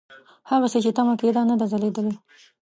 هغسې چې تمه کېده نه ده ځلېدلې.